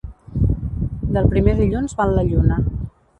Del primer dilluns val la lluna.